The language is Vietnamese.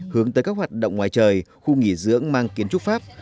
hướng tới các hoạt động ngoài trời khu nghỉ dưỡng mang kiến trúc pháp